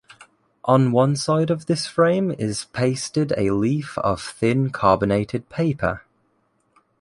On one side of this frame is pasted a leaf of thin carbonated paper.